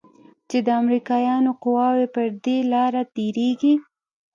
چې د امريکايانو قواوې پر دې لاره تېريږي.